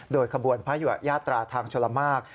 โดยขบวนพระยาตราทางชลมาก